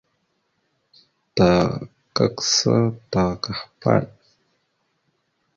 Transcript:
Ta kagsa ta kahpaɗ.